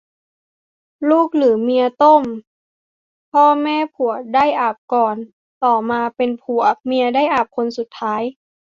ลูกหรือเมียต้ม พ่อแม่ผัวได้อาบก่อน ต่อมาเป็นผัว เมียได้อาบคนสุดท้าย